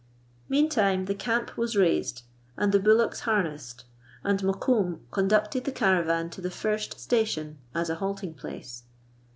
Meantime the camp was raised, and the bullocks har nessed, and Mokoum conducted the caravan to the first station as a halting place.